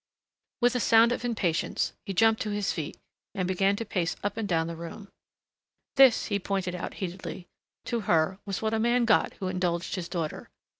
With a sound of impatience he jumped to his feet and began to pace up and down the room. This, he pointed out heatedly, to her, was what a man got who indulged his daughter.